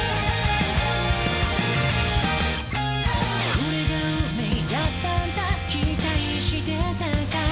「これが運命だったんだ、期待してたかい？」